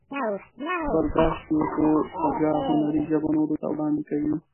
برداشت یې په خوږه هنري ژبه نورو ته وړاندې کوي.